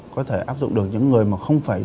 có thể áp dụng được những người mà không phải